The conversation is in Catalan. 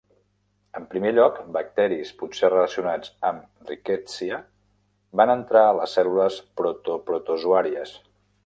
En primer lloc, bacteris, potser relacionats amb "Rickettsia", van entrar a les cèl·lules proto-protozoàries.